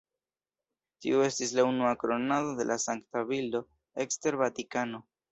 Tio estis la unua kronado de la sankta bildo ekster Vatikano.